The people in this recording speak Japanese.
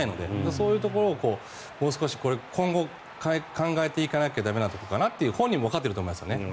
そういうところを今後考えていかなければいけないところかなと本人もわかってると思いますけどね。